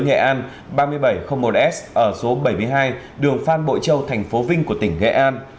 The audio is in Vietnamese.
nghệ an ba nghìn bảy trăm linh một s ở số bảy mươi hai đường phan bội châu thành phố vinh của tỉnh nghệ an